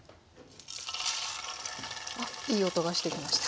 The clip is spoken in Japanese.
あっいい音がしてきました。